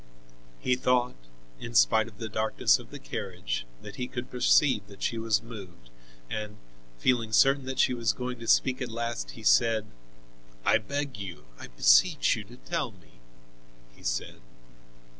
He thought, in spite of the darkness of the carriage, that he could perceive that she was moved, and feeling certain that she was going to speak at last, he said: "I beg you, I beseech you to tell me" he said.